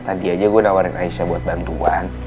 tadi aja gue nawarin aisyah buat bantuan